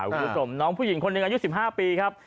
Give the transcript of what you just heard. รูปศมน้องผู้หญิงคนเดียวกันอายุ๑๕ปีครับ